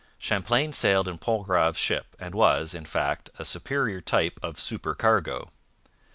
Champlain sailed in Pontgrave's ship and was, in fact, a superior type of supercargo.